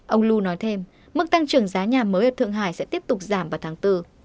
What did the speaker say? ông lu nói thêm mức tăng trưởng giá nhà mới ở thượng hải sẽ tiếp tục giảm vào tháng bốn